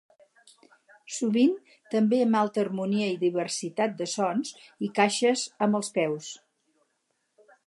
Sovint també amb alta harmonia i diversitat de sons, i caixes amb els peus.